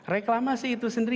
reklamasi itu sendiri